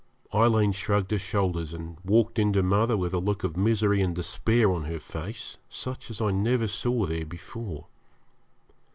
Aileen shrugged her shoulders and walked in to mother with a look of misery and despair on her face such as I never saw there before.